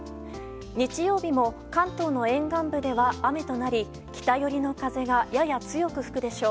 日曜日も関東の沿岸部では雨となり北寄りの風がやや強く吹くでしょう。